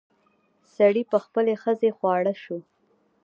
سړي په خپلې ښځې خواړه شو.